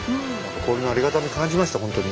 氷のありがたみ感じましたほんとに。